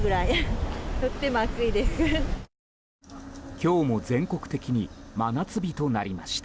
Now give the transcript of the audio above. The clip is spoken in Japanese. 今日も全国的に真夏日となりました。